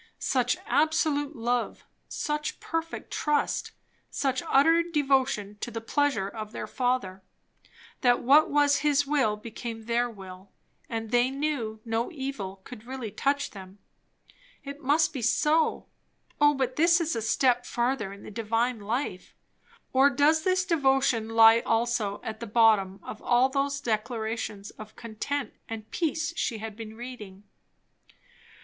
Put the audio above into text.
Such absolute love, such perfect trust, such utter devotion to the pleasure of their Father, that what was his will became their will, and they knew no evil could really touch them? It must be so. O but this is a step further in the divine life. Or does this devotion lie also at the bottom of all those declarations of content and peace she had been reading?